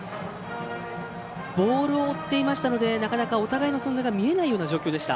ボールを追っていましたのでなかなか、お互いの存在が見えないような状況でした。